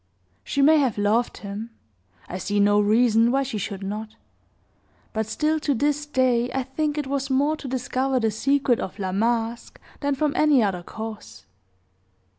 She may have loved him (I see no reason why she should not), but still to this day I think it was more to discover the secret of La Masque than from any other cause.